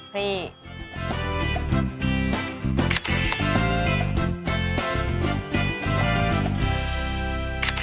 พรี